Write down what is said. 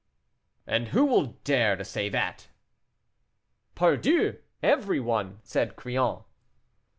"And who will dare to say that?" "Pardieu! everyone," said Crillon.